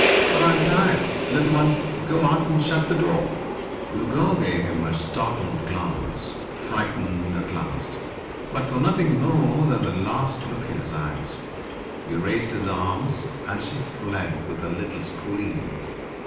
"But I am tired, little one. Go out, and shut the door!" The girl gave him a startled glance, frightened at last, but for nothing more than the lost look in his eyes. He raised his arms, and she fled with a little scream.